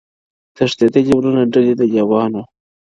• تښتېدلې ورنه ډلي د لېوانو-